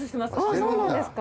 そうなんですか。